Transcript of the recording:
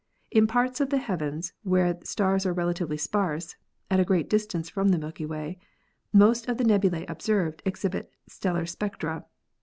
In parts of the heav ens where stars are relatively sparse (at a great distance from the Milky Way) most of the nebulae observed exhibit stellar spectra.